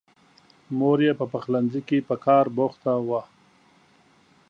مور یې په پخلنځي کې په کار بوخته وه.